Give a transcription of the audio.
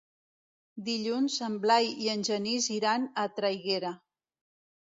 Dilluns en Blai i en Genís iran a Traiguera.